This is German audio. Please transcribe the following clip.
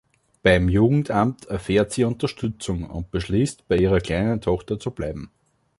Beim Jugendamt erfährt sie Unterstützung und beschließt, bei ihrer kleinen Tochter zu bleiben.